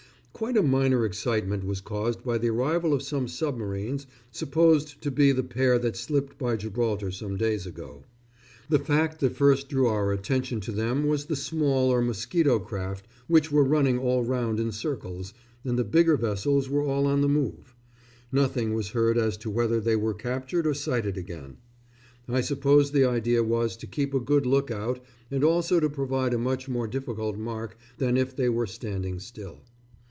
Quite a minor excitement was caused by the arrival of some submarines, supposed to be the pair that slipped by Gibraltar some days ago. The fact that first drew our attention to them was the small or mosquito craft which were running all round in circles, and the bigger vessels were all on the move. Nothing was heard as to whether they were captured or sighted again. I suppose the idea was to keep a good look out and also to provide a much more difficult mark than if they were standing still.